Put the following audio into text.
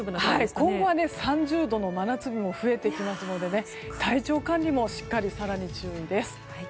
今後は３０度の真夏日も増えてきますので体調管理もしっかり更に注意です。